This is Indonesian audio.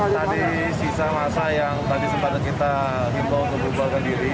tadi sisa masa yang tadi sempat kita himbau untuk berbaga diri